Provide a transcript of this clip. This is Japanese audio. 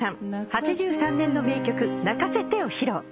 ８３年の名曲『泣かせて』を披露。